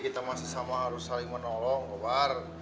kita masih sama harus saling menolong keluar